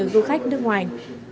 du khách nước ngoài